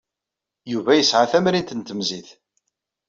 Yuba yesɛa tamrint n temzit.